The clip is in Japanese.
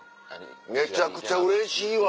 めちゃくちゃうれしいわ。